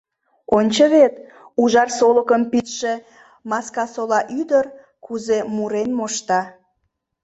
Ончо вет, ужар солыкым пидше Маскасола ӱдыр кузе мурен мошта!